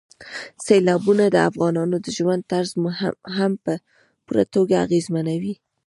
سیلابونه د افغانانو د ژوند طرز هم په پوره توګه اغېزمنوي.